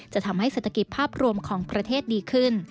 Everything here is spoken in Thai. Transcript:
จะทำให้เศรษฐกิจภาพรวมของประเทศดีขึ้น